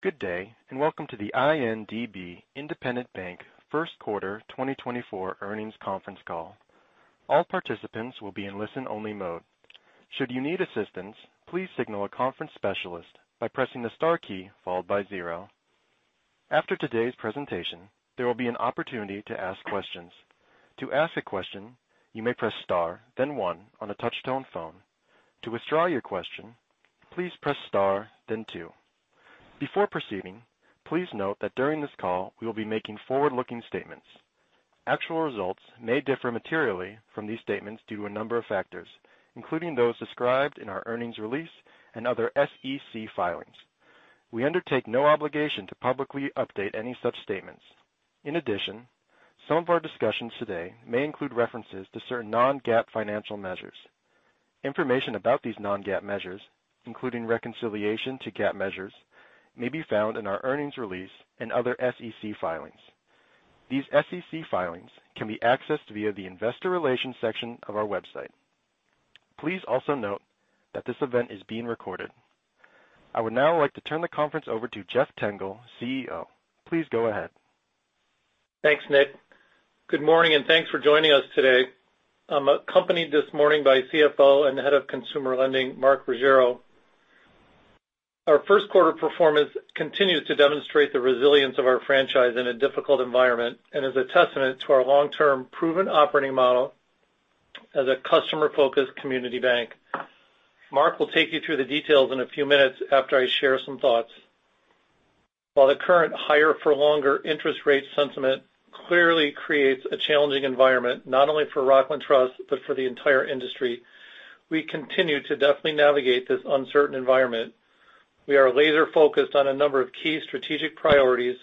Good day, and welcome to the INDB Independent Bank Q1 2024 Earnings Conference Call. All participants will be in listen-only mode. Should you need assistance, please signal a conference specialist by pressing the star key followed by zero. After today's presentation, there will be an opportunity to ask questions. To ask a question, you may press star, then one on a touch-tone phone. To withdraw your question, please press star, then two. Before proceeding, please note that during this call, we will be making forward-looking statements. Actual results may differ materially from these statements due to a number of factors, including those described in our earnings release and other SEC filings. We undertake no obligation to publicly update any such statements. In addition, some of our discussions today may include references to certain non-GAAP financial measures. Information about these non-GAAP measures, including reconciliation to GAAP measures, may be found in our earnings release and other SEC filings. These SEC filings can be accessed via the Investor Relations section of our website. Please also note that this event is being recorded. I would now like to turn the conference over to Jeff Tengel, CEO. Please go ahead. Thanks, Nick. Good morning, and thanks for joining us today. I'm accompanied this morning by CFO and Head of Consumer Lending, Mark Ruggiero. Our Q1 performance continues to demonstrate the resilience of our franchise in a difficult environment and is a testament to our long-term proven operating model as a customer-focused community bank. Mark will take you through the details in a few minutes after I share some thoughts. While the current higher for longer interest rate sentiment clearly creates a challenging environment, not only for Rockland Trust but for the entire industry, we continue to deftly navigate this uncertain environment. We are laser-focused on a number of key strategic priorities,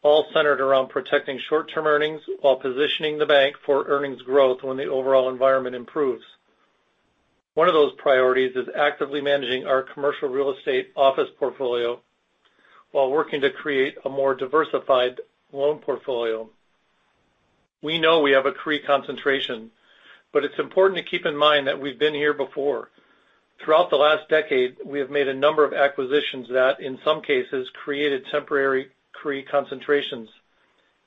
all centered around protecting short-term earnings while positioning the bank for earnings growth when the overall environment improves. One of those priorities is actively managing our commercial real estate office portfolio while working to create a more diversified loan portfolio. We know we have a CRE concentration, but it's important to keep in mind that we've been here before. Throughout the last decade, we have made a number of acquisitions that, in some cases, created temporary CRE concentrations.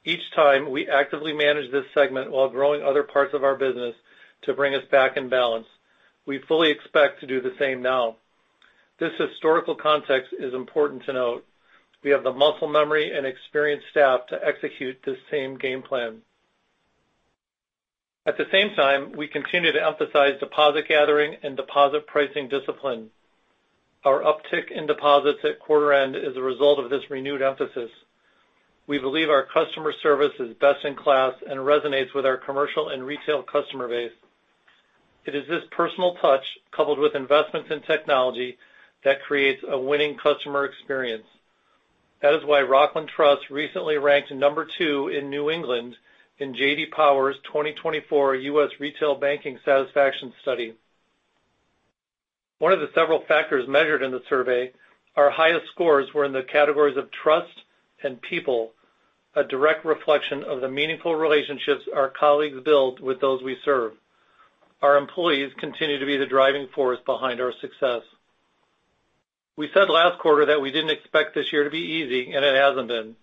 Each time, we actively manage this segment while growing other parts of our business to bring us back in balance. We fully expect to do the same now. This historical context is important to note. We have the muscle memory and experienced staff to execute this same game plan. At the same time, we continue to emphasize deposit gathering and deposit pricing discipline. Our uptick in deposits at quarter end is a result of this renewed emphasis. We believe our customer service is best in class and resonates with our commercial and retail customer base. It is this personal touch, coupled with investments in technology, that creates a winning customer experience. That is why Rockland Trust recently ranked number two in New England in J.D. Power's 2024 U.S. Retail Banking Satisfaction Study. One of the several factors measured in the survey, our highest scores were in the categories of trust and people, a direct reflection of the meaningful relationships our colleagues build with those we serve. Our employees continue to be the driving force behind our success. We said last quarter that we didn't expect this year to be easy, and it hasn't been,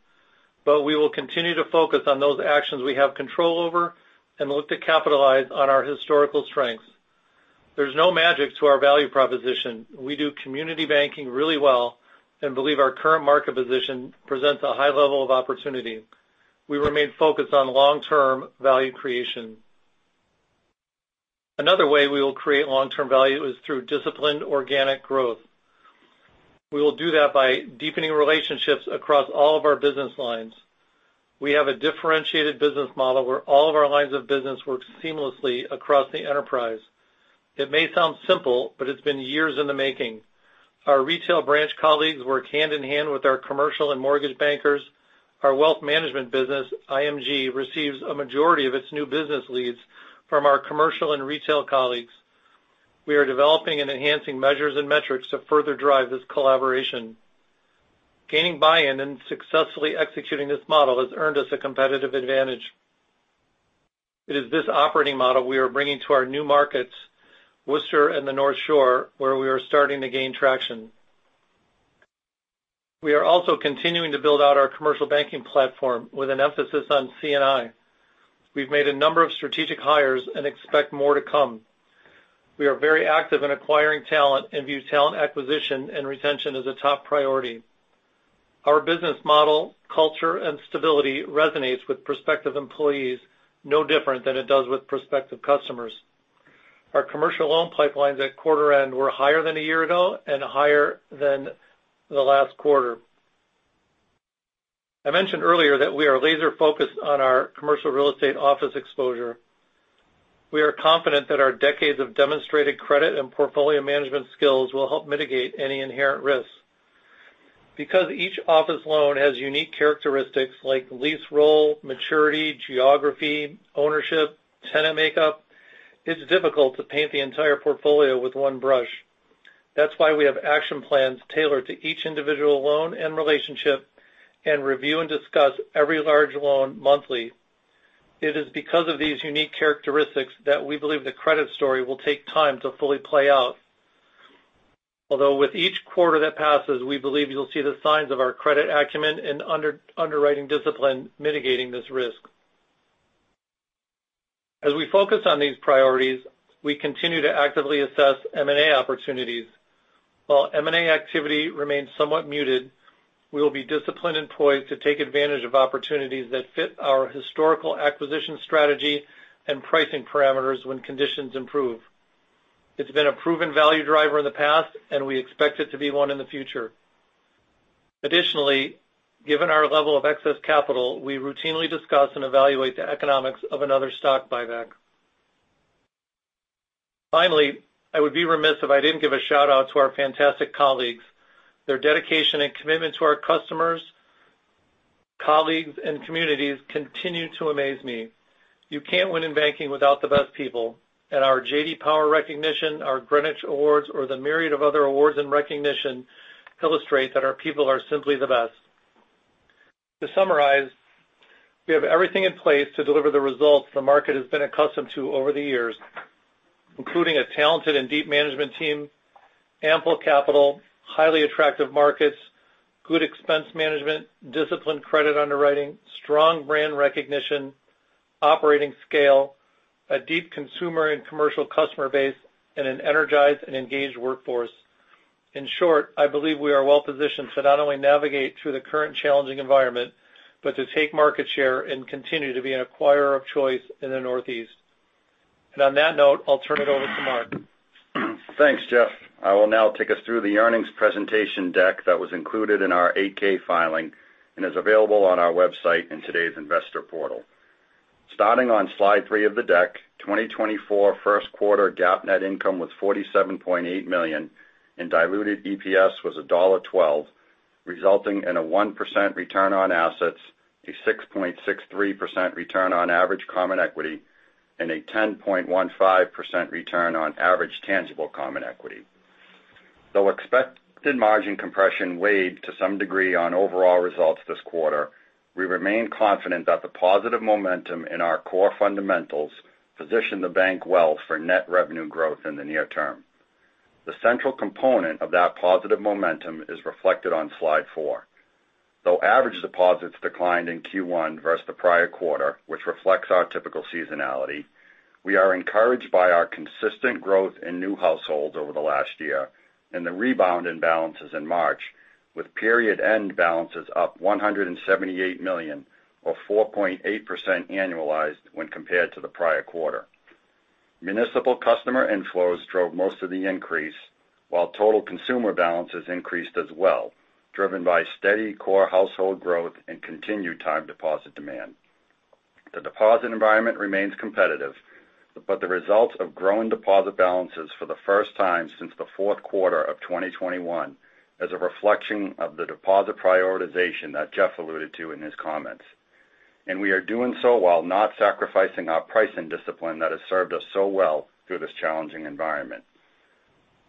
but we will continue to focus on those actions we have control over and look to capitalize on our historical strengths. There's no magic to our value proposition. We do community banking really well and believe our current market position presents a high level of opportunity. We remain focused on long-term value creation. Another way we will create long-term value is through disciplined organic growth. We will do that by deepening relationships across all of our business lines. We have a differentiated business model where all of our lines of business work seamlessly across the enterprise. It may sound simple, but it's been years in the making. Our retail branch colleagues work hand in hand with our commercial and mortgage bankers. Our wealth management business, IMG, receives a majority of its new business leads from our commercial and retail colleagues. We are developing and enhancing measures and metrics to further drive this collaboration. Gaining buy-in and successfully executing this model has earned us a competitive advantage. It is this operating model we are bringing to our new markets, Worcester and the North Shore, where we are starting to gain traction. We are also continuing to build out our commercial banking platform with an emphasis on C&I. We've made a number of strategic hires and expect more to come. We are very active in acquiring talent and view talent acquisition and retention as a top priority. Our business model, culture, and stability resonates with prospective employees, no different than it does with prospective customers. Our commercial loan pipelines at quarter end were higher than a year ago and higher than the last quarter. I mentioned earlier that we are laser-focused on our commercial real estate office exposure. We are confident that our decades of demonstrated credit and portfolio management skills will help mitigate any inherent risks. Because each office loan has unique characteristics like lease roll, maturity, geography, ownership, tenant makeup, it's difficult to paint the entire portfolio with one brush. That's why we have action plans tailored to each individual loan and relationship, and review and discuss every large loan monthly. It is because of these unique characteristics that we believe the credit story will take time to fully play out. Although with each quarter that passes, we believe you'll see the signs of our credit acumen and underwriting discipline mitigating this risk. As we focus on these priorities, we continue to actively assess M&A opportunities. While M&A activity remains somewhat muted, we will be disciplined and poised to take advantage of opportunities that fit our historical acquisition strategy and pricing parameters when conditions improve. It's been a proven value driver in the past, and we expect it to be one in the future. Additionally, given our level of excess capital, we routinely discuss and evaluate the economics of another stock buyback. Finally, I would be remiss if I didn't give a shout-out to our fantastic colleagues. Their dedication and commitment to our customers, colleagues, and communities continue to amaze me. You can't win in banking without the best people, and our J.D. Power recognition, our Greenwich Awards, or the myriad of other awards and recognition illustrate that our people are simply the best. To summarize, we have everything in place to deliver the results the market has been accustomed to over the years, including a talented and deep management team, ample capital, highly attractive markets, good expense management, disciplined credit underwriting, strong brand recognition, operating scale, a deep consumer and commercial customer base, and an energized and engaged workforce. In short, I believe we are well positioned to not only navigate through the current challenging environment, but to take market share and continue to be an acquirer of choice in the Northeast. On that note, I'll turn it over to Mark. Thanks, Jeff. I will now take us through the earnings presentation deck that was included in our 8-K filing and is available on our website in today's investor portal. Starting on slide 3 of the deck, 2024 Q1 GAAP net income was $47.8 million, and diluted EPS was $1.12, resulting in a 1% return on assets, a 6.63% return on average common equity, and a 10.15% return on average tangible common equity. Though expected margin compression weighed to some degree on overall results this quarter, we remain confident that the positive momentum in our core fundamentals position the bank well for net revenue growth in the near term. The central component of that positive momentum is reflected on slide four. Though average deposits declined in Q1 versus the prior quarter, which reflects our typical seasonality, we are encouraged by our consistent growth in new households over the last year and the rebound in balances in March, with period-end balances up $178 million, or 4.8% annualized when compared to the prior quarter. Municipal customer inflows drove most of the increase, while total consumer balances increased as well, driven by steady core household growth and continued time deposit demand. The deposit environment remains competitive, but the results of growing deposit balances for the first time since the Q4 of 2021 is a reflection of the deposit prioritization that Jeff alluded to in his comments. And we are doing so while not sacrificing our pricing discipline that has served us so well through this challenging environment.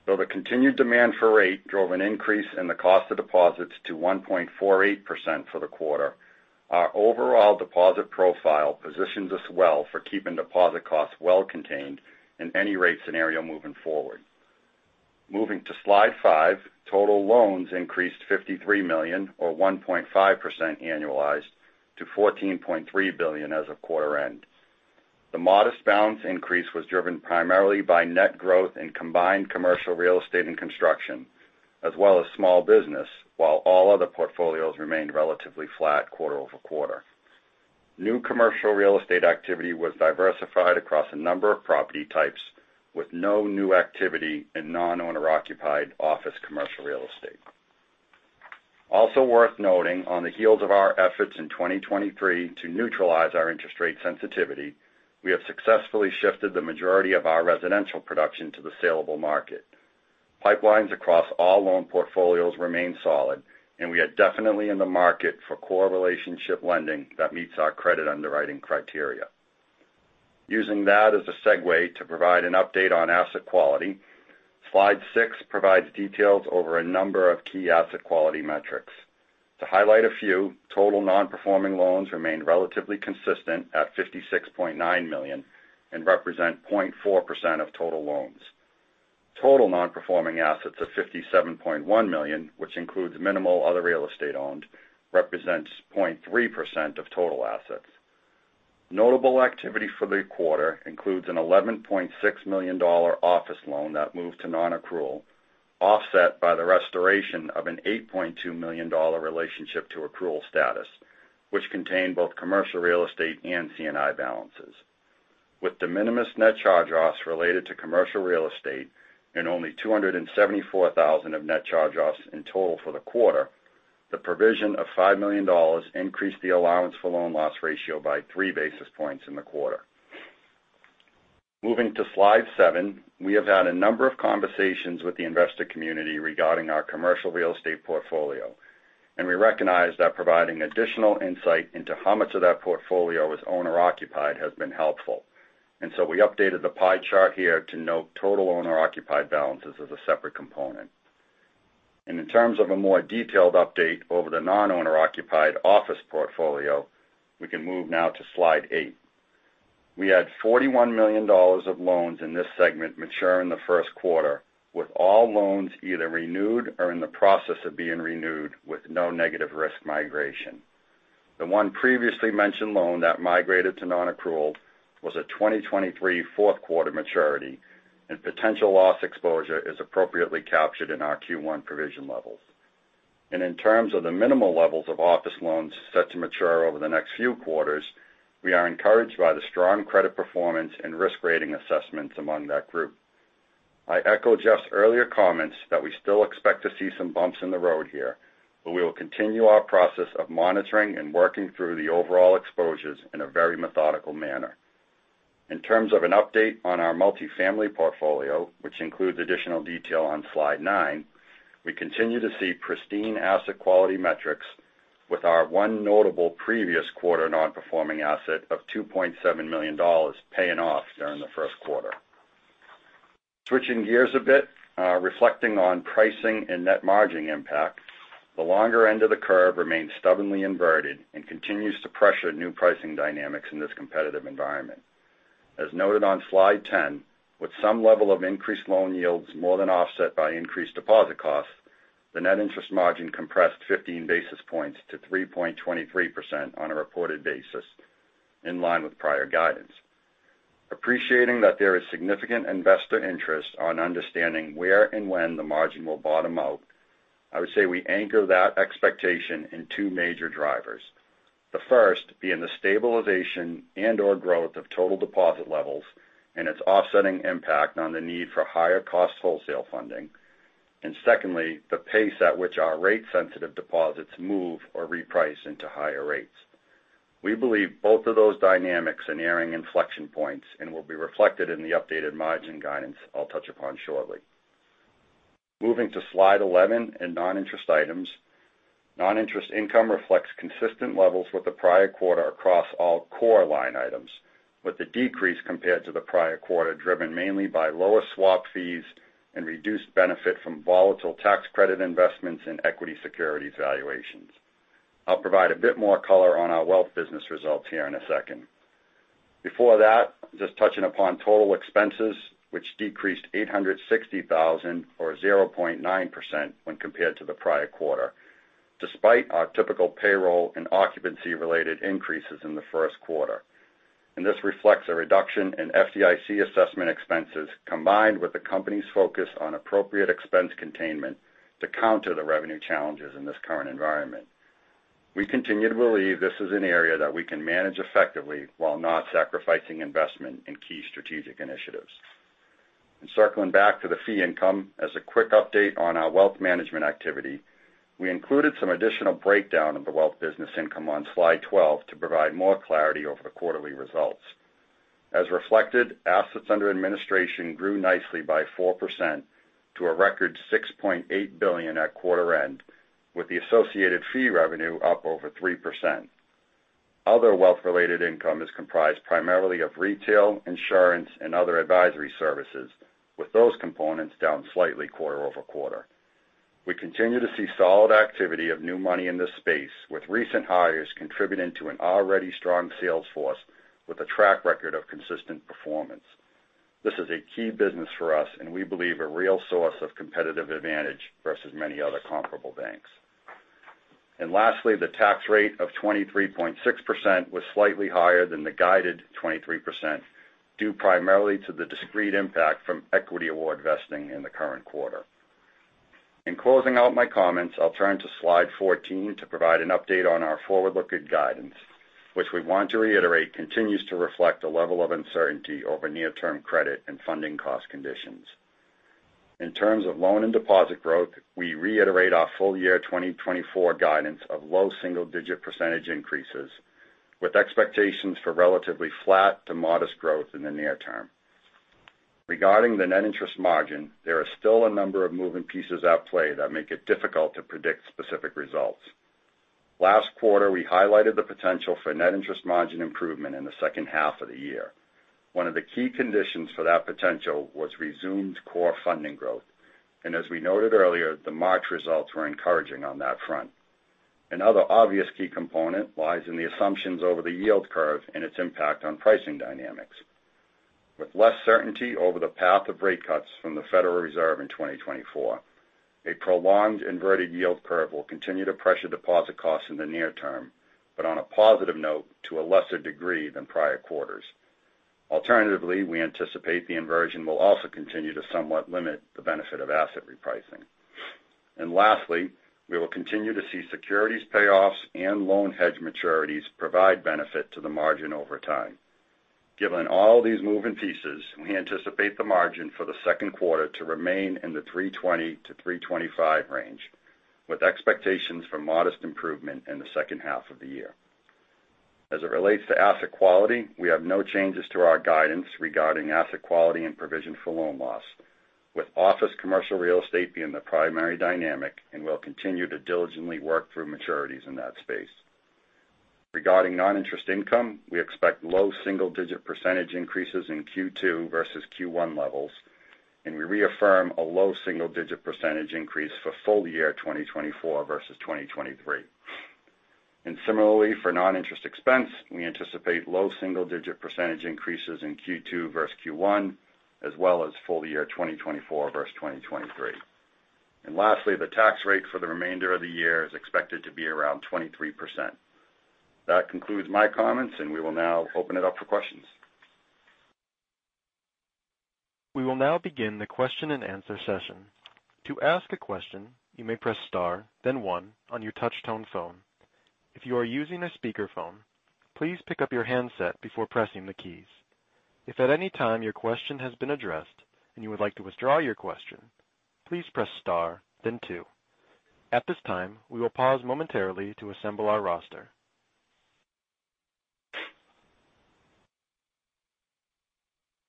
Though the continued demand for rate drove an increase in the cost of deposits to 1.48% for the quarter, our overall deposit profile positions us well for keeping deposit costs well contained in any rate scenario moving forward. Moving to slide five, total loans increased $53 million, or 1.5% annualized, to $14.3 billion as of quarter end. The modest balance increase was driven primarily by net growth in combined commercial real estate and construction, as well as small business, while all other portfolios remained relatively flat quarter-over-quarter. New commercial real estate activity was diversified across a number of property types, with no new activity in non-owner occupied office commercial real estate. Also worth noting, on the heels of our efforts in 2023 to neutralize our interest rate sensitivity, we have successfully shifted the majority of our residential production to the salable market. Pipelines across all loan portfolios remain solid, and we are definitely in the market for core relationship lending that meets our credit underwriting criteria. Using that as a segue to provide an update on asset quality, slide six provides details over a number of key asset quality metrics. To highlight a few, total non-performing loans remained relatively consistent at $56.9 million and represent 0.4% of total loans. Total non-performing assets of $57.1 million, which includes minimal other real estate owned, represents 0.3% of total assets. Notable activity for the quarter includes an $11.6 million office loan that moved to nonaccrual, offset by the restoration of an $8.2 million relationship to accrual status, which contained both commercial real estate and C&I balances. With de minimis net charge-offs related to commercial real estate and only 274,000 of net charge-offs in total for the quarter, the provision of $5 million increased the allowance for loan loss ratio by 3 basis points in the quarter. Moving to slide seven, we have had a number of conversations with the investor community regarding our commercial real estate portfolio, and we recognize that providing additional insight into how much of that portfolio is owner-occupied has been helpful. So we updated the pie chart here to note total owner-occupied balances as a separate component. In terms of a more detailed update over the non-owner occupied office portfolio, we can move now to slide eight. We had $41 million of loans in this segment mature in the Q1, with all loans either renewed or in the process of being renewed, with no negative risk migration. The one previously mentioned loan that migrated to non-accrual was a 2023 Q4 maturity, and potential loss exposure is appropriately captured in our Q1 provision levels. In terms of the minimal levels of office loans set to mature over the next few quarters, we are encouraged by the strong credit performance and risk rating assessments among that group. I echo Jeff's earlier comments that we still expect to see some bumps in the road here, but we will continue our process of monitoring and working through the overall exposures in a very methodical manner. In terms of an update on our multifamily portfolio, which includes additional detail on Slide nine, we continue to see pristine asset quality metrics with our one notable previous quarter non-performing asset of $2.7 million paying off during the Q1. Switching gears a bit, reflecting on pricing and net margin impact, the longer end of the curve remains stubbornly inverted and continues to pressure new pricing dynamics in this competitive environment. As noted on Slide 10, with some level of increased loan yields more than offset by increased deposit costs, the net interest margin compressed 15 basis points to 3.23% on a reported basis, in line with prior guidance. Appreciating that there is significant investor interest on understanding where and when the margin will bottom out, I would say we anchor that expectation in two major drivers. The first being the stabilization and/or growth of total deposit levels and its offsetting impact on the need for higher cost wholesale funding, and secondly, the pace at which our rate-sensitive deposits move or reprice into higher rates. We believe both of those dynamics are nearing inflection points and will be reflected in the updated margin guidance I'll touch upon shortly. Moving to Slide 11 in non-interest items. Non-interest income reflects consistent levels with the prior quarter across all core line items, with the decrease compared to the prior quarter, driven mainly by lower swap fees and reduced benefit from volatile tax credit investments and equity securities valuations. I'll provide a bit more color on our wealth business results here in a second. Before that, just touching upon total expenses, which decreased $860,000 or 0.9% when compared to the prior quarter, despite our typical payroll and occupancy-related increases in the Q1. And this reflects a reduction in FDIC assessment expenses, combined with the company's focus on appropriate expense containment to counter the revenue challenges in this current environment. We continue to believe this is an area that we can manage effectively while not sacrificing investment in key strategic initiatives. And circling back to the fee income, as a quick update on our wealth management activity, we included some additional breakdown of the wealth business income on Slide 12 to provide more clarity over the quarterly results. As reflected, assets under administration grew nicely by 4% to a record $6.8 billion at quarter end, with the associated fee revenue up over 3%. Other wealth-related income is comprised primarily of retail, insurance, and other advisory services, with those components down slightly quarter-over-quarter. We continue to see solid activity of new money in this space, with recent hires contributing to an already strong sales force with a track record of consistent performance. This is a key business for us, and we believe, a real source of competitive advantage versus many other comparable banks. And lastly, the tax rate of 23.6% was slightly higher than the guided 23%, due primarily to the discrete impact from equity award vesting in the current quarter. In closing out my comments, I'll turn to Slide 14 to provide an update on our forward-looking guidance, which we want to reiterate, continues to reflect a level of uncertainty over near-term credit and funding cost conditions. In terms of loan and deposit growth, we reiterate our full year 2024 guidance of low single-digit percentage increases, with expectations for relatively flat to modest growth in the near term. Regarding the net interest margin, there are still a number of moving pieces at play that make it difficult to predict specific results. Last quarter, we highlighted the potential for net interest margin improvement in the H2 of the year. One of the key conditions for that potential was resumed core funding growth, and as we noted earlier, the March results were encouraging on that front. Another obvious key component lies in the assumptions over the yield curve and its impact on pricing dynamics. With less certainty over the path of rate cuts from the Federal Reserve in 2024, a prolonged inverted yield curve will continue to pressure deposit costs in the near term, but on a positive note, to a lesser degree than prior quarters. Alternatively, we anticipate the inversion will also continue to somewhat limit the benefit of asset repricing. And lastly, we will continue to see securities payoffs and loan hedge maturities provide benefit to the margin over time. Given all these moving pieces, we anticipate the margin for the Q2 to remain in the 3.20-3.25 range, with expectations for modest improvement in the H2 of the year. As it relates to asset quality, we have no changes to our guidance regarding asset quality and provision for loan loss, with office commercial real estate being the primary dynamic, and we'll continue to diligently work through maturities in that space. Regarding non-interest income, we expect low single-digit percentage increases in Q2 versus Q1 levels, and we reaffirm a low single-digit percentage increase for full year 2024 versus 2023. And similarly, for non-interest expense, we anticipate low single-digit percentage increases in Q2 versus Q1, as well as full year 2024 versus 2023. And lastly, the tax rate for the remainder of the year is expected to be around 23%. That concludes my comments, and we will now open it up for questions. We will now begin the question-and-answer session. To ask a question, you may press star, then one on your touchtone phone. If you are using a speakerphone, please pick up your handset before pressing the keys. If at any time your question has been addressed and you would like to withdraw your question, please press star, then two. At this time, we will pause momentarily to assemble our roster.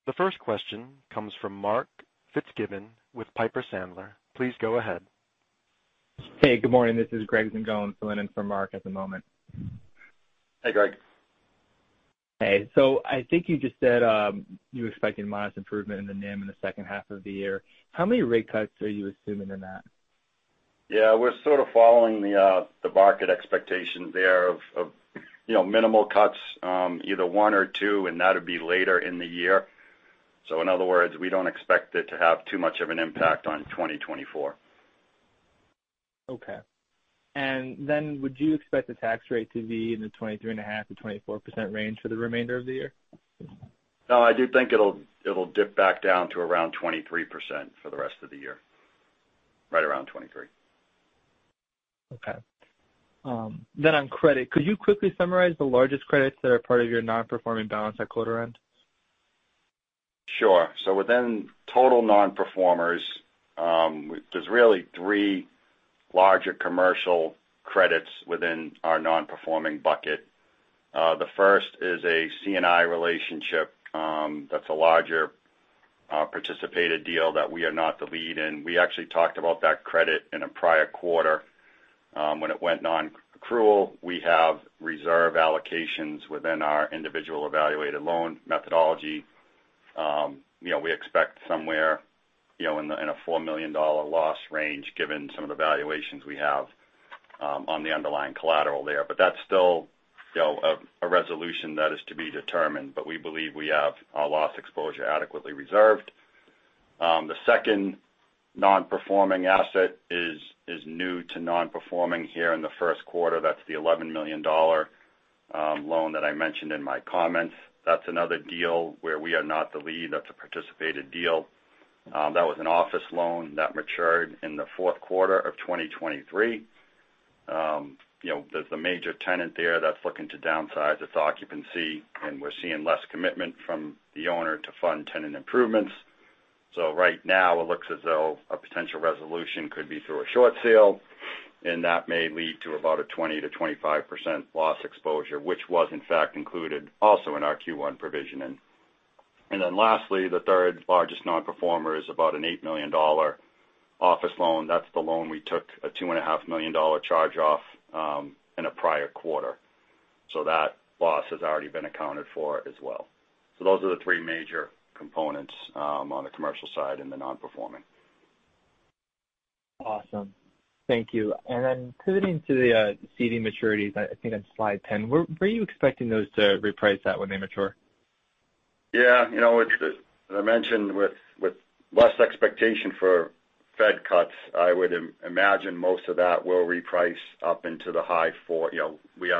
The first question comes from Mark Fitzgibbon with Piper Sandler. Please go ahead. Hey, good morning. This is Greg Zingone filling in for Mark at the moment. Hey, Greg. Hey. So I think you just said, you're expecting modest improvement in the NIM in the H2 of the year. How many rate cuts are you assuming in that? Yeah, we're sort of following the market expectations there of you know, minimal cuts, either one or two, and that'd be later in the year. So in other words, we don't expect it to have too much of an impact on 2024. Okay. And then would you expect the tax rate to be in the 23.5%-24% range for the remainder of the year? No, I do think it'll dip back down to around 23% for the rest of the year. Right around 23. Okay. Then on credit, could you quickly summarize the largest credits that are part of your non-performing balance at quarter end? Sure. Within total non-performers, there's really three larger commercial credits within our non-performing bucket. The first is a C&I relationship, that's a larger participated deal that we are not the lead in. We actually talked about that credit in a prior quarter, when it went non-accrual. We have reserve allocations within our individual evaluated loan methodology. You know, we expect somewhere, you know, in a $4 million loss range, given some of the valuations we have on the underlying collateral there. But that's still, you know, a resolution that is to be determined, but we believe we have our loss exposure adequately reserved. The second non-performing asset is new to non-performing here in the Q1. That's the $11 million loan that I mentioned in my comments. That's another deal where we are not the lead. That's a participated deal. That was an office loan that matured in the Q4 of 2023. You know, there's a major tenant there that's looking to downsize its occupancy, and we're seeing less commitment from the owner to fund tenant improvements. So right now, it looks as though a potential resolution could be through a short sale, and that may lead to about a 20%-25% loss exposure, which was in fact included also in our Q1 provisioning. And then lastly, the third largest non-performer is about an $8 million office loan. That's the loan we took a $2.5 million charge-off in a prior quarter. So that loss has already been accounted for as well. Those are the three major components, on the commercial side in the non-performing. Awesome. Thank you. And then pivoting to the CD maturities, I think on slide 10, where are you expecting those to reprice at when they mature? Yeah, you know, it's, as I mentioned, with less expectation for Fed cuts, I would imagine most of that will reprice up into the high four. You know, we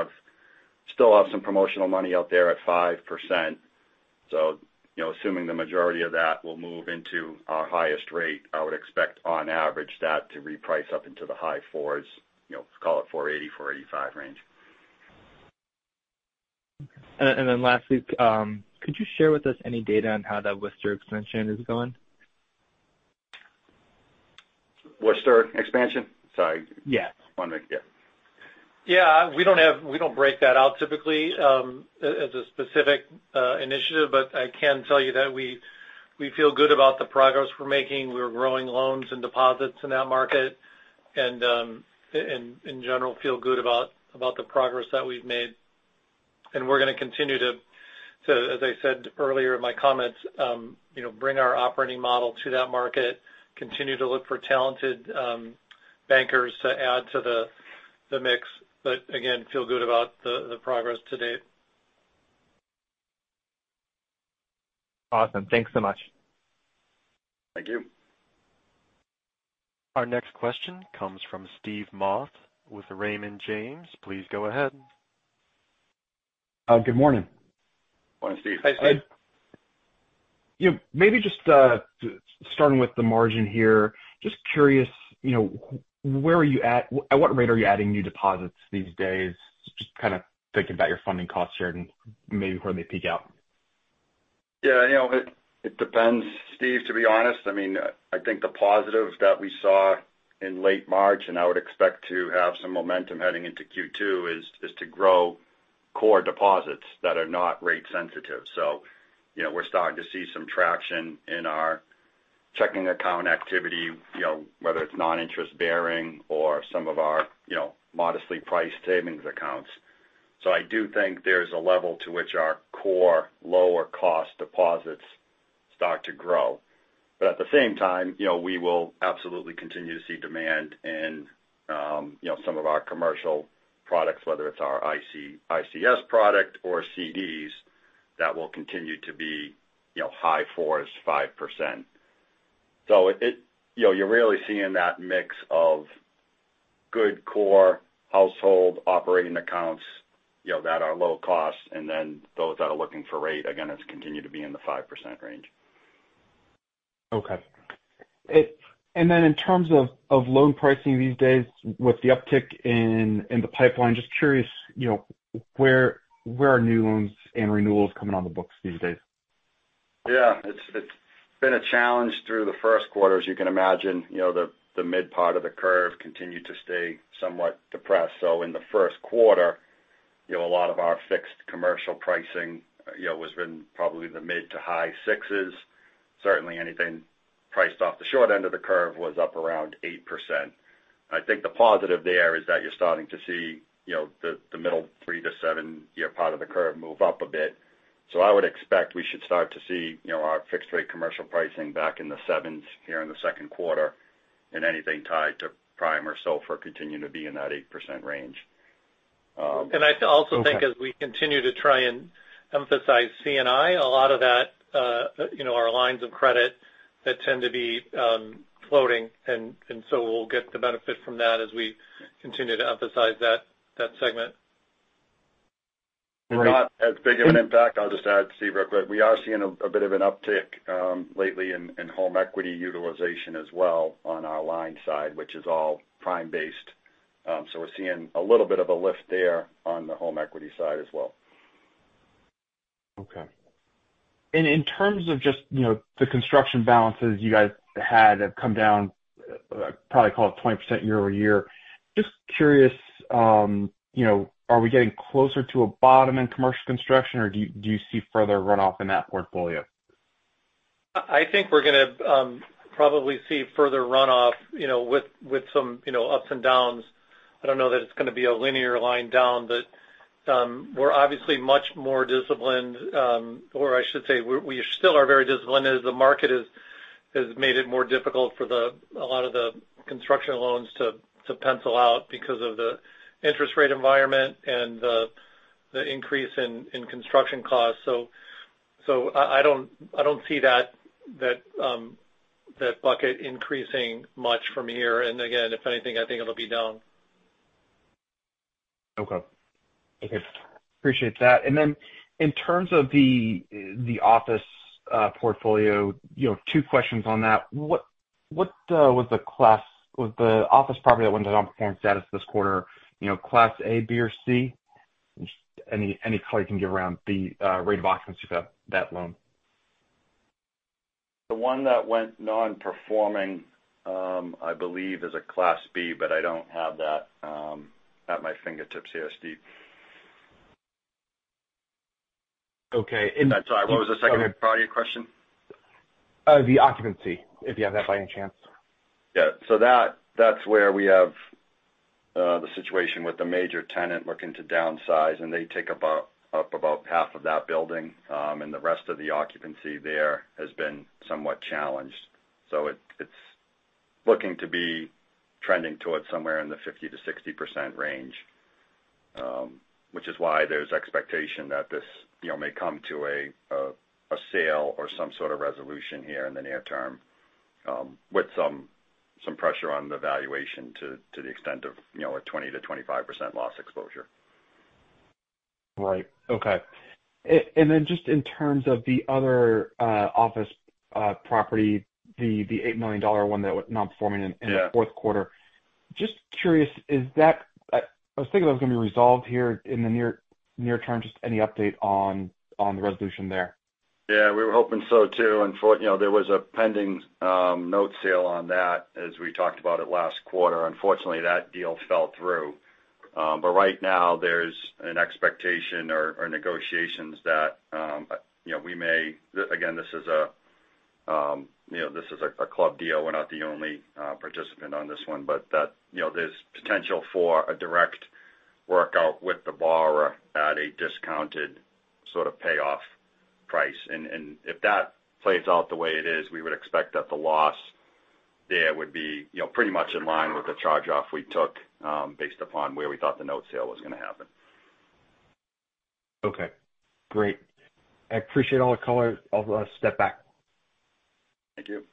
still have some promotional money out there at 5%. So, you know, assuming the majority of that will move into our highest rate, I would expect on average that to reprice up into the high fours, you know, call it 4.80%-4.85% range. And then lastly, could you share with us any data on how that Worcester expansion is going? Worcester expansion? Sorry. Yeah. One sec, yeah. Yeah, we don't break that out typically, as a specific initiative, but I can tell you that we feel good about the progress we're making. We're growing loans and deposits in that market and in general, feel good about the progress that we've made. And we're going to continue to, as I said earlier in my comments, you know, bring our operating model to that market, continue to look for talented bankers to add to the mix, but again, feel good about the progress to date. Awesome. Thanks so much. Thank you. Our next question comes from Steve Moss with Raymond James. Please go ahead. Good morning. Morning, Steve. Hi, hi. You know, maybe just starting with the margin here, just curious, you know, where are you at? At what rate are you adding new deposits these days? Just kind of thinking about your funding cost share and maybe where they peak out. Yeah, you know, it depends, Steve, to be honest. I mean, I think the positive that we saw in late March, and I would expect to have some momentum heading into Q2, is to grow core deposits that are not rate sensitive. So you know, we're starting to see some traction in our checking account activity, you know, whether it's non-interest bearing or some of our, you know, modestly priced savings accounts. So I do think there's a level to which our core lower cost deposits start to grow. But at the same time, you know, we will absolutely continue to see demand in, you know, some of our commercial products, whether it's our ICS product or CDs, that will continue to be, you know, high fours, 5%. So, you know, you're really seeing that mix of good core household operating accounts, you know, that are low cost, and then those that are looking for rate, again, it's continued to be in the 5% range. Okay. And then in terms of loan pricing these days, with the uptick in the pipeline, just curious, you know, where are new loans and renewals coming on the books these days? Yeah, it's been a challenge through the Q1. As you can imagine, you know, the mid part of the curve continued to stay somewhat depressed. So in the Q1, you know, a lot of our fixed commercial pricing, you know, was in probably the mid- to high 6s. Certainly anything priced off the short end of the curve was up around 8%. I think the positive there is that you're starting to see, you know, the middle three to seven-year part of the curve move up a bit. So I would expect we should start to see, you know, our fixed rate commercial pricing back in the sevens here in the Q2, and anything tied to prime or SOFR continuing to be in that 8% range. I also think as we continue to try and emphasize C&I, a lot of that, you know, are lines of credit that tend to be floating, and so we'll get the benefit from that as we continue to emphasize that segment. Right. Not as big of an impact. I'll just add, Steve, real quick. We are seeing a bit of an uptick lately in home equity utilization as well on our line side, which is all prime-based. So we're seeing a little bit of a lift there on the home equity side as well. Okay. And in terms of just, you know, the construction balances you guys had have come down, probably call it 20% year-over-year. Just curious, you know, are we getting closer to a bottom in commercial construction, or do you, do you see further runoff in that portfolio? I think we're gonna probably see further runoff, you know, with some you know, ups and downs. I don't know that it's gonna be a linear line down. But we're obviously much more disciplined, or I should say, we still are very disciplined as the market has made it more difficult for the—a lot of the construction loans to pencil out because of the interest rate environment and the increase in construction costs. So I don't see that bucket increasing much from here. And again, if anything, I think it'll be down. Okay, appreciate that. And then in terms of the office portfolio, you know, two questions on that. What was the class? Was the office property that went to nonperforming status this quarter, you know, Class A, B, or C? Just any color you can give around the rate of occupancy of that loan. The one that went non-performing, I believe is a Class B, but I don't have that at my fingertips here, Steve. Okay, in- I'm sorry, what was the second part of your question? The occupancy, if you have that by any chance? Yeah. So that's where we have the situation with the major tenant looking to downsize, and they take up about half of that building. And the rest of the occupancy there has been somewhat challenged. So it's looking to be trending towards somewhere in the 50%-60% range, which is why there's expectation that this, you know, may come to a sale or some sort of resolution here in the near term, with some pressure on the valuation to the extent of, you know, a 20%-25% loss exposure. Right. Okay. And then just in terms of the other office property, the $8 million one that was non-performing in the Q4. Just curious, is that, I was thinking that was going to be resolved here in the near term. Just any update on the resolution there? Yeah, we were hoping so, too. You know, there was a pending note sale on that, as we talked about it last quarter. Unfortunately, that deal fell through. But right now, there's an expectation or negotiations that, you know, we may. Again, this is a, you know, this is a club deal. We're not the only participant on this one, but that, you know, there's potential for a direct workout with the borrower at a discounted sort of payoff price. And if that plays out the way it is, we would expect that the loss there would be, you know, pretty much in line with the charge-off we took, based upon where we thought the note sale was gonna happen. Okay, great. I appreciate all the color. I'll step back. Thank you.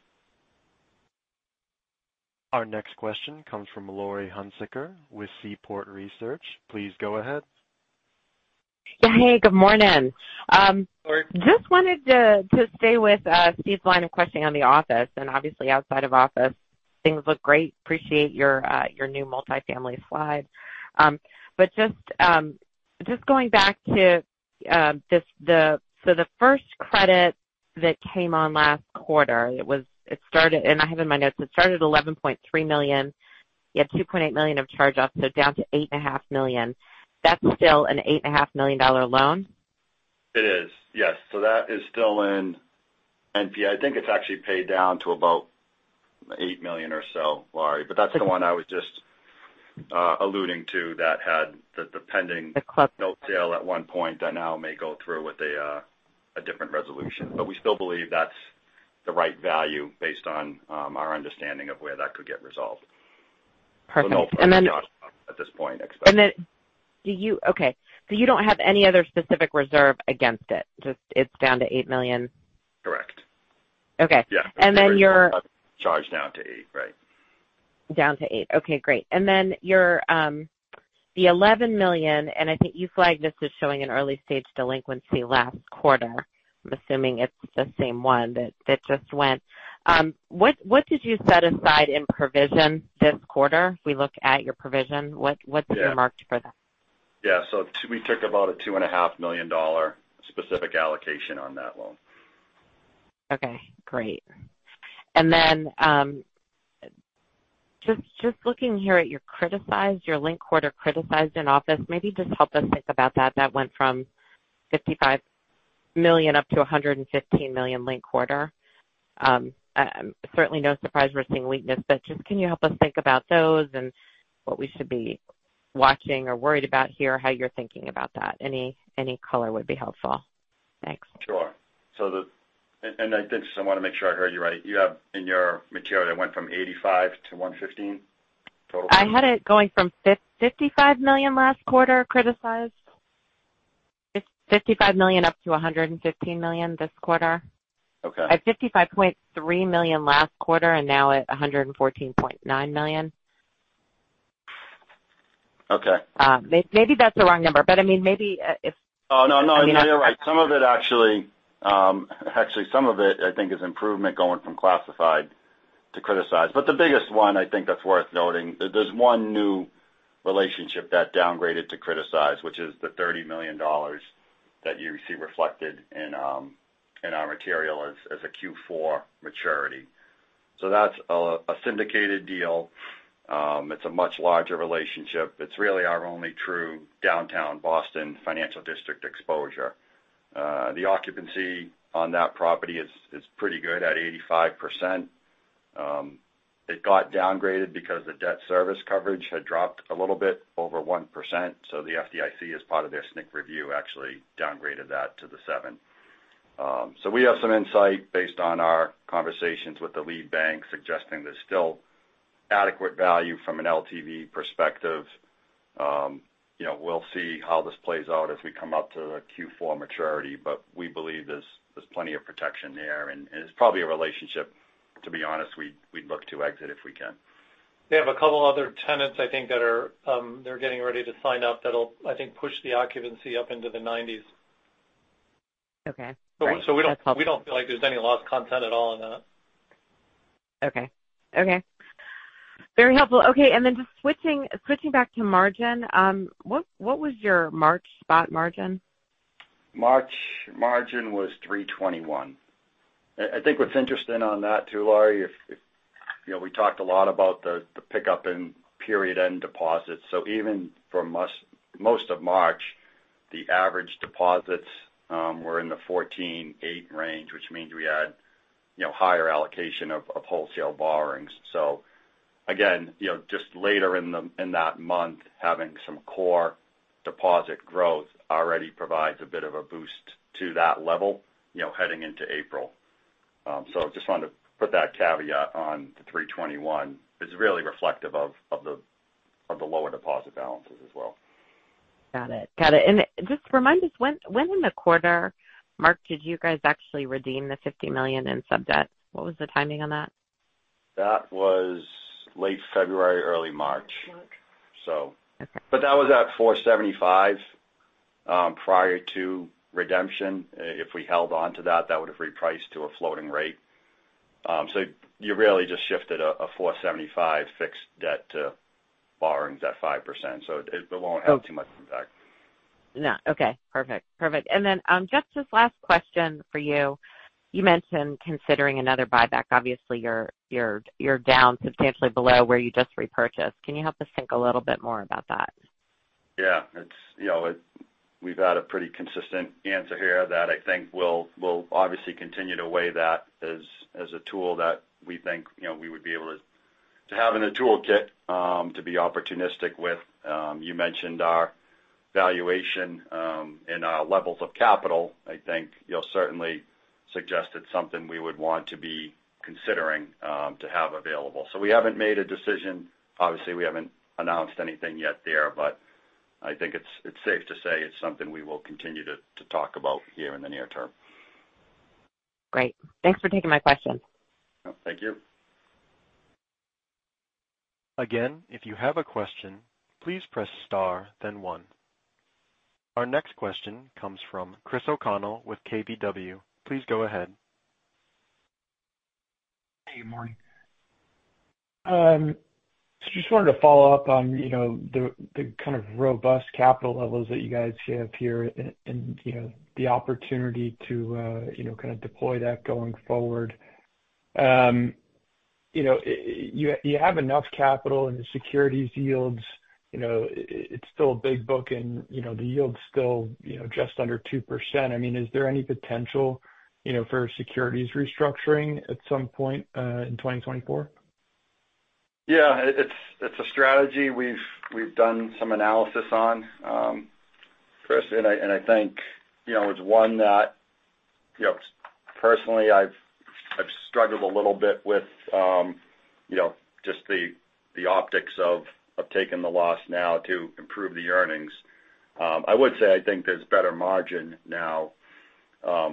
Our next question comes from Laurie Hunsicker with Seaport Research. Please go ahead. Yeah, hey, good morning. Good morning. Just wanted to stay with Steve's line of questioning on the office, and obviously outside of office, things look great. Appreciate your new multifamily slide. But just going back to just the first credit that came on last quarter, it started, and I have in my notes, it started at $11.3 million. You had $2.8 million of charge-offs, so down to $8.5 million. That's still an $8.5 million dollar loan? It is, yes. So that is still in NP. I think it's actually paid down to about $8 million or so, Laurie, but that's the one I was just alluding to that had the pending note sale at one point that now may go through with a different resolution. But we still believe that's the right value based on our understanding of where that could get resolved. Perfect. And then- At this point, expect- And then, okay, so you don't have any other specific reserve against it, just it's down to $8 million? Correct. Okay. Yeah. And then you're- Charged down to eight, right? Down to eight. Okay, great. And then your the $11 million, and I think you flagged this as showing an early stage delinquency last quarter. I'm assuming it's the same one that just went. What did you set aside in provision this quarter? We look at your provision, what did you mark for that? Yeah, so we took about a $2.5 million specific allocation on that loan. Okay, great. Then, just looking here at your criticized, your linked quarter criticized office, maybe just help us think about that. That went from $55 million up to $115 million linked quarter. Certainly no surprise we're seeing weakness, but just can you help us think about those and what we should be watching or worried about here, how you're thinking about that? Any color would be helpful. Thanks. Sure. So, and I did just want to make sure I heard you right. You have in your material, it went from 85-115, total? I had it going from $55 million last quarter, criticized. $55 million up to $115 million this quarter. Okay. At $55.3 million last quarter, and now at $114.9 million. Okay. Maybe that's the wrong number, but I mean, maybe, if- Oh, no, no, you're right. Some of it actually, actually some of it I think is improvement going from classified to criticized. But the biggest one I think that's worth noting, there's one new relationship that downgraded to criticize, which is the $30 million that you see reflected in our material as a Q4 maturity. So that's a syndicated deal. It's a much larger relationship. It's really our only true downtown Boston financial district exposure. The occupancy on that property is pretty good at 85%. It got downgraded because the debt service coverage had dropped a little bit over 1%. So the FDIC, as part of their SNC review, actually downgraded that to the seven. So we have some insight based on our conversations with the lead bank, suggesting there's still adequate value from an LTV perspective. You know, we'll see how this plays out as we come up to the Q4 maturity, but we believe there's plenty of protection there, and it's probably a relationship, to be honest, we'd look to exit if we can. They have a couple other tenants, I think, that are, they're getting ready to sign up that'll, I think, push the occupancy up into the 90s. Okay. We don't feel like there's any lost content at all on that. Okay. Very helpful. Okay, and then just switching back to margin, what was your March spot margin? March margin was 3.21. I think what's interesting on that too, Laurie, if you know, we talked a lot about the pickup in period-end deposits. So even from most of March, the average deposits were in the $14.8 range, which means we had, you know, higher allocation of wholesale borrowings. So again, you know, just later in that month, having some core deposit growth already provides a bit of a boost to that level, you know, heading into April. So just wanted to put that caveat on the 3.21. It's really reflective of the lower deposit balances as well. Got it. And just remind us, when in the quarter, Mark, did you guys actually redeem the $50 million in subdebt? What was the timing on that? That was late February, early March. March. So- Okay. That was at 4.75, prior to redemption. If we held on to that, that would have repriced to a floating rate. You really just shifted a 4.75 fixed debt to borrowings at 5%, so it won't have too much impact. No. Okay, perfect. Perfect. And then, just this last question for you. You mentioned considering another buyback. Obviously, you're, you're, you're down substantially below where you just repurchased. Can you help us think a little bit more about that? Yeah, it's, you know, we've had a pretty consistent answer here that I think we'll obviously continue to weigh that as a tool that we think, you know, we would be able to to have in a toolkit to be opportunistic with. You mentioned our valuation and our levels of capital. I think you'll certainly suggest it's something we would want to be considering to have available. So we haven't made a decision. Obviously, we haven't announced anything yet there, but I think it's safe to say it's something we will continue to talk about here in the near term. Great. Thanks for taking my question. Thank you. Again, if you have a question, please press star, then one. Our next question comes from Chris O'Connell with KBW. Please go ahead. Hey, morning. Just wanted to follow up on, you know, the kind of robust capital levels that you guys have here and, and, you know, the opportunity to, you know, kind of deploy that going forward. You know, you have enough capital in the securities yields, you know, it's still a big book and, you know, the yield's still, you know, just under 2%. I mean, is there any potential, you know, for securities restructuring at some point, in 2024? Yeah, it's a strategy we've done some analysis on. I think you know, it's one that, you know, personally, I've struggled a little bit with, you know, just the optics of taking the loss now to improve the earnings. I would say I think there's better margin now,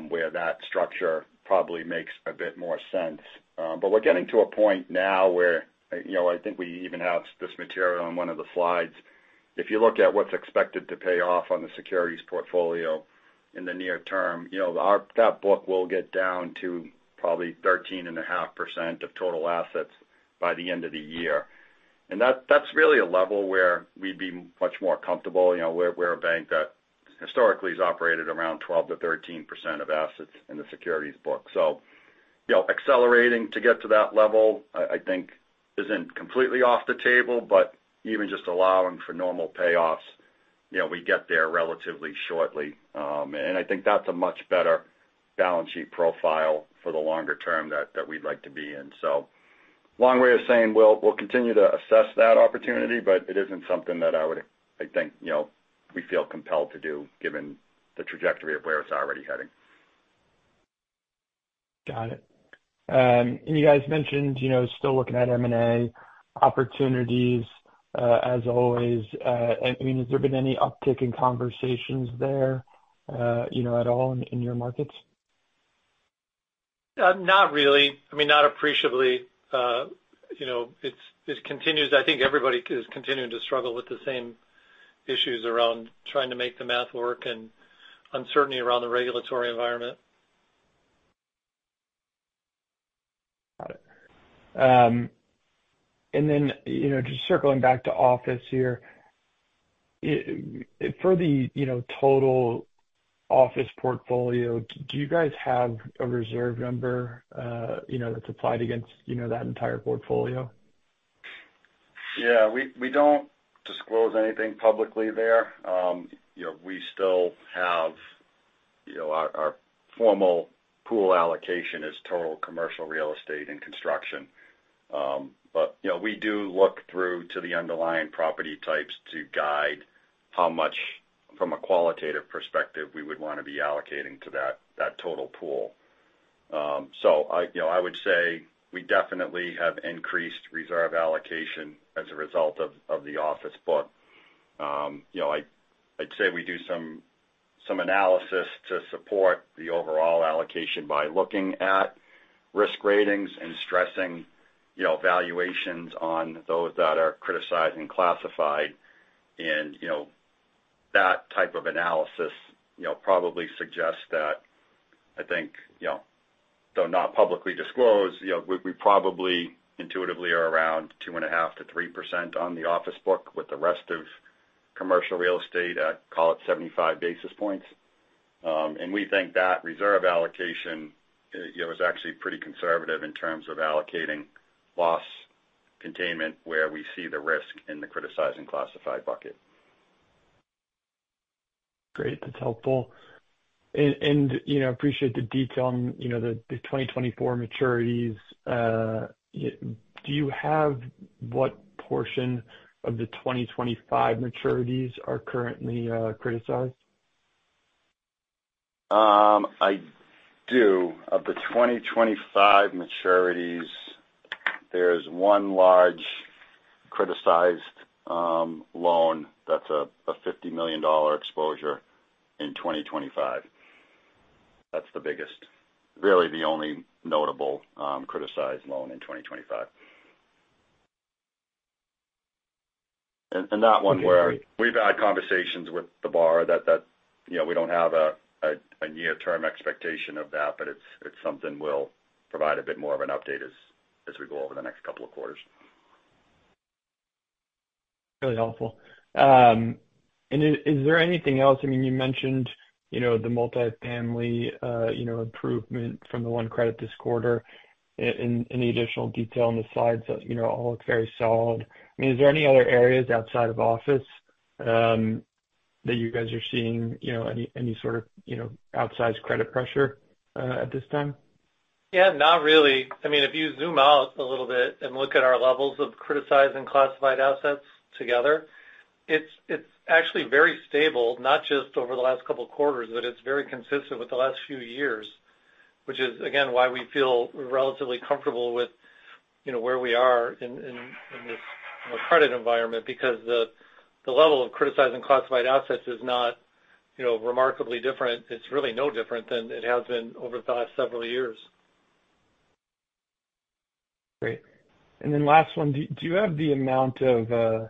where that structure probably makes a bit more sense. But we're getting to a point now where, you know, I think we even have this material on one of the slides. If you look at what's expected to pay off on the securities portfolio in the near term, you know, our, that book will get down to probably 13.5% of total assets by the end of the year. And that's really a level where we'd be much more comfortable. You know, we're a bank that historically has operated around 12%-13% of assets in the securities book. So, you know, accelerating to get to that level, I think isn't completely off the table, but even just allowing for normal payoffs, you know, we get there relatively shortly. And I think that's a much better balance sheet profile for the longer term that we'd like to be in. So long way of saying, we'll continue to assess that opportunity, but it isn't something that I would, I think, you know, we feel compelled to do, given the trajectory of where it's already heading. Got it. And you guys mentioned, you know, still looking at M&A opportunities, as always. I mean, has there been any uptick in conversations there, you know, at all in your markets? Not really. I mean, not appreciably. You know, it continues. I think everybody is continuing to struggle with the same issues around trying to make the math work and uncertainty around the regulatory environment. Got it. And then, you know, just circling back to office here. For the, you know, total office portfolio, do you guys have a reserve number, you know, that's applied against, you know, that entire portfolio? Yeah, we don't disclose anything publicly there. You know, we still have, you know, our formal pool allocation is total commercial real estate and construction. But, you know, we do look through to the underlying property types to guide how much, from a qualitative perspective, we would want to be allocating to that total pool. So I, you know, I would say we definitely have increased reserve allocation as a result of the office book. You know, I'd say we do some analysis to support the overall allocation by looking at risk ratings and stressing, you know, valuations on those that are criticized and classified. You know, that type of analysis, you know, probably suggests that, I think, you know, though not publicly disclosed, you know, we, we probably intuitively are around 2.5%-3% on the office book, with the rest of commercial real estate at, call it 75 basis points. And we think that reserve allocation, you know, is actually pretty conservative in terms of allocating loss containment, where we see the risk in the criticized and classified bucket. Great. That's helpful. And, you know, appreciate the detail on, you know, the 2024 maturities. Do you have what portion of the 2025 maturities are currently criticized? I do. Of the 2025 maturities, there's one large criticized loan that's a $50 million exposure in 2025. That's the biggest, really the only notable criticized loan in 2025. And not one where we've had conversations with the borrower that, you know, we don't have a near-term expectation of that, but it's something we'll provide a bit more of an update as we go over the next couple of quarters. Really helpful. And is there anything else? I mean, you mentioned, you know, the multifamily, you know, improvement from the one credit this quarter. Any additional detail on the slides that, you know, all look very solid. I mean, is there any other areas outside of office, that you guys are seeing, you know, any sort of, you know, outsized credit pressure, at this time? Yeah, not really. I mean, if you zoom out a little bit and look at our levels of criticized and classified assets together, it's actually very stable, not just over the last couple of quarters, but it's very consistent with the last few years, which is, again, why we feel relatively comfortable with, you know, where we are in this, you know, credit environment. Because the level of criticized and classified assets is not, you know, remarkably different. It's really no different than it has been over the last several years. Great. And then last one, do you have the amount of,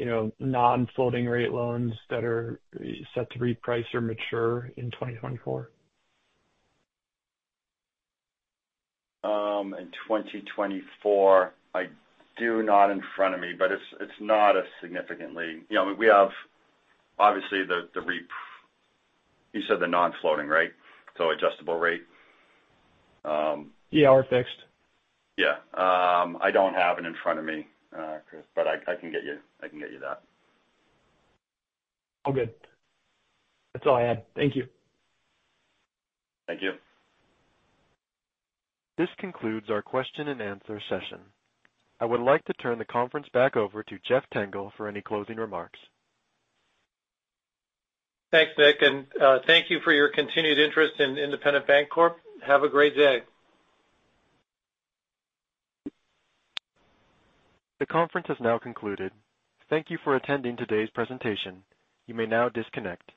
you know, non-floating rate loans that are set to reprice or mature in 2024? In 2024? I do not have it in front of me, but it's not significantly. You know, we have obviously the repricing. You said the non-floating, right? So adjustable rate. Yeah, or fixed. Yeah. I don't have it in front of me, Chris, but I can get you that. All good. That's all I had. Thank you. Thank you. This concludes our question and answer session. I would like to turn the conference back over to Jeff Tengel for any closing remarks. Thanks, Nick, and thank you for your continued interest in Independent Bank Corp. Have a great day. The conference has now concluded. Thank you for attending today's presentation. You may now disconnect.